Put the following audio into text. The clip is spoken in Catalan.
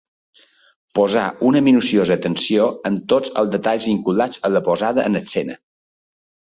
Posà una minuciosa atenció en tots els detalls vinculats a la posada en escena.